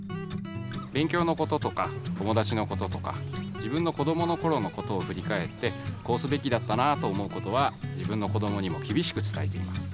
べんきょうのこととか友だちのこととか自分のこどものころのことをふりかえってこうすべきだったなと思うことは自分のこどもにもきびしくつたえています。